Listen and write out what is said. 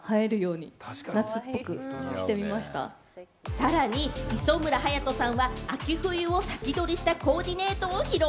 さらに磯村勇斗さんは、秋冬を先取りしたコーディネートを披露。